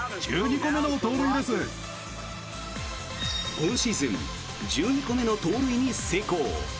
今シーズン１２個目の盗塁に成功。